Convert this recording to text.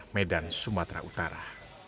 medan sumatera utara